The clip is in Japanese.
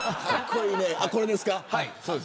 これですか。